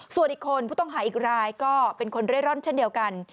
ส่วนอีกคนผู้ต้องหาอีกรายก็เป็นคนเร่ร่อนเช่นเดียวกัน